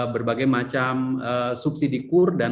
berbagai macam subsidi kur dan